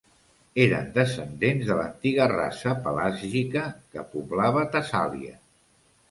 Eren descendents de l'antiga raça pelàsgica que poblava Tessàlia.